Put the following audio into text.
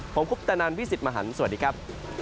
ผมคุปตะนันพี่สิทธิ์มหันฯสวัสดีครับ